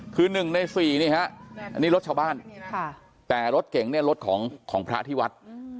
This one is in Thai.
คือหนึ่งในสี่นี่ฮะนี่รถชาวบ้านแต่รถเก๋งเนี่ยรถของพระที่วัด